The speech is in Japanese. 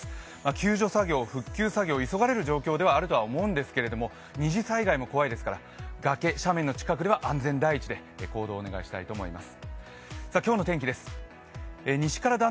救助作業、復旧作業急がれる状況であるとは思うんですけども、二次災害も怖いですから崖、斜面の近くでは安全第一で行動をお願いしたいと思います。